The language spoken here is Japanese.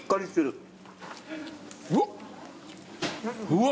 うわ！